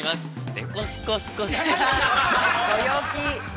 デコスコ、スコスコ◆ご陽気。